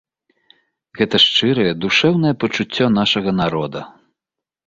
Гэта шчырае, душэўнае пачуццё нашага народа.